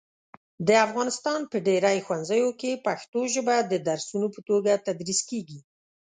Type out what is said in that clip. د افغانستان په ډېری ښوونځیو کې پښتو ژبه د درسونو په توګه تدریس کېږي.